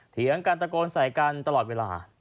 เถียงกันตะโกนใส่กันตลอดเวลา